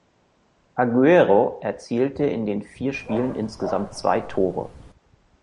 Agüero erzielte in den vier Spielen insgesamt zwei Tore.